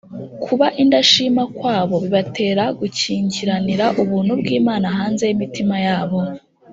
kuba indashima kwabo bibatera gukingiranira ubuntu bw’imana hanze y’imitima yabo